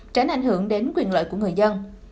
tránh ảnh hưởng đến quyền lợi của người dân